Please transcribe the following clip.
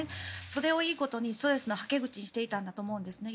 それをいいことにストレスのはけ口にしていたんだと思うんですね。